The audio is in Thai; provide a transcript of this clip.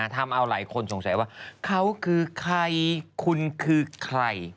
ทำเอาหลายคนสงสัยว่าเขาคือใครคุณคือใคร